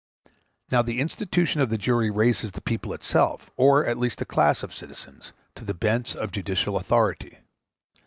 Now the institution of the jury raises the people itself, or at least a class of citizens, to the bench of judicial authority.